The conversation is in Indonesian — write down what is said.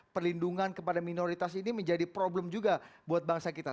perlindungan kepada minoritas ini menjadi problem juga buat bangsa kita